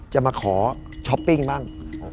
จะมาขอช้อปปิ้งบ้าง